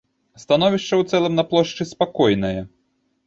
Становішча ў цэлым на плошчы спакойнае.